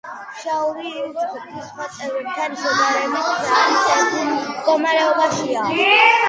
ფშაური ამ ჯგუფის სხვა წევრებთან შედარებით თავისებურ მდგომარეობაშია.